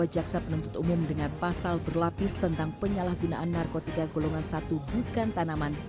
jaksa penuntut umum dengan pasal berlapis tentang penyalahgunaan narkotika golongan satu bukan tanaman